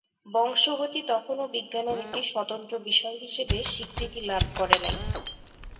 বংশগতি তখনও বিজ্ঞানের একটি সতন্ত্র বিষয় হিসেবে স্বীকৃতি লাভ করে নাই।